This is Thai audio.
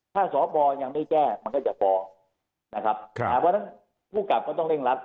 ถ้าสปยังไม่แก้มันก็จะพอนะครับเพราะฉะนั้นผู้กลับก็ต้องเร่งรัด